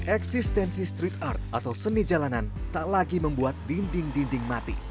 eksistensi street art atau seni jalanan tak lagi membuat dinding dinding mati